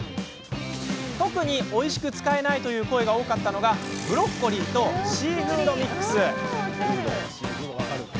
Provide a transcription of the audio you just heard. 特に、おいしく使えないという声が多かったのがブロッコリーとシーフードミックス。